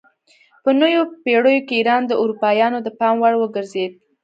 په نویو پیړیو کې ایران د اروپایانو د پام وړ وګرځید.